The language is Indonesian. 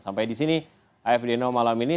sampai di sini afdno malam ini